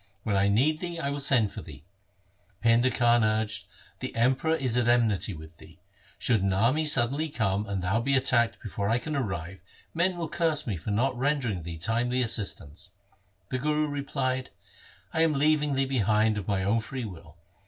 When I need thee, I will send for thee.' Painda Khan urged, 'The Emperor is at enmity with thee. Should an army suddenly come and thou be attacked before I can arrive, men will curse me for not rendering thee timely assist ance.' The Guru replied, ' I am leaving thee behind of my own free will.